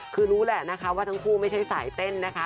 คือรู้แหละนะคะว่าทั้งคู่ไม่ใช่สายเต้นนะคะ